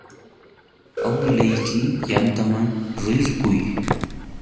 Awilayki yantaman rirquy.